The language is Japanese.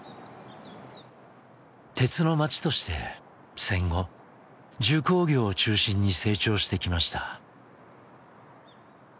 鉄の町として戦後重工業を中心に成長してきました。